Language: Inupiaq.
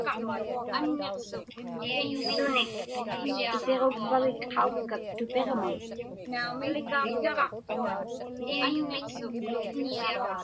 Isiġukpagik qaukkak tupiġmun?